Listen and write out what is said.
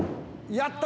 やった！